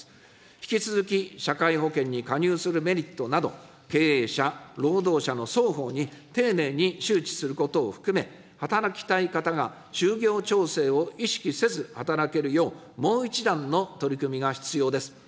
引き続き、社会保険に加入するメリットなど、経営者、労働者の双方に丁寧に周知することを含め、働きたい方が就業調整を意識せず働けるよう、もう一段の取り組みが必要です。